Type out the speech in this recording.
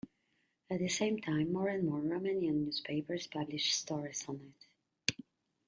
At the same time, more and more Romanian newspapers published stories on it.